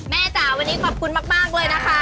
จ๋าวันนี้ขอบคุณมากเลยนะคะ